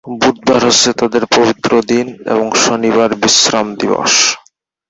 বুধবার হচ্ছে তাদের পবিত্র দিন এবং শনিবার বিশ্রাম দিবস।